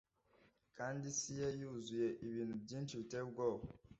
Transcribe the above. Kandi isi ye yuzuye ibintu byinshi Biteye ubwoba